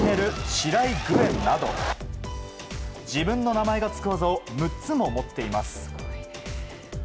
シライ／グエンなど自分の名前がつく技を６つも持っています。